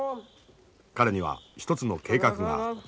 彼には一つの計画がある。